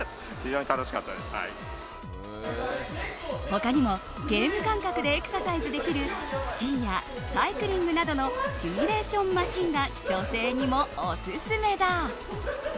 他にも、ゲーム感覚でエクササイズできるスキーやサイクリングなどのシミュレーションマシーンが女性にもオススメだ。